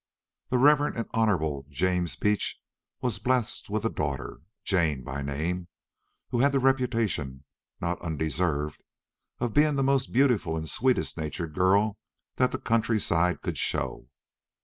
The Reverend and Honourable James Beach was blessed with a daughter, Jane by name, who had the reputation, not undeserved, of being the most beautiful and sweetest natured girl that the country side could show.